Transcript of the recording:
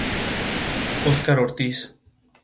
Óscar Ortiz.